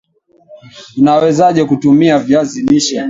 UNawezaje kutumia viazi lishe